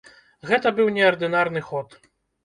Гэта быў неардынарны ход.